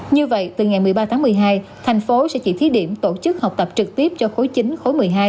như vậy từ ngày một mươi ba tháng một mươi hai thành phố sẽ chỉ thí điểm tổ chức học tập trực tiếp cho khối chính khối một mươi hai